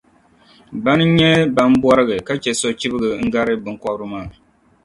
Bana n-nyɛ ban bɔrgi ka chɛ sochibga n-gari biŋkobri maa.